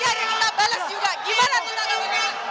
jadi hari ini kita bales juga gimana tetangga tetangga